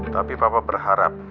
tapi papa berharap